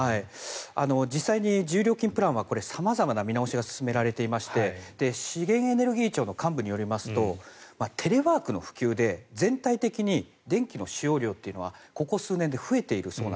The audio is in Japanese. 実際に自由料金プランは様々な見直しが進められていまして資源エネルギー庁の幹部によりますとテレワークの普及で全体的に電気の使用量はここ数年で増えている。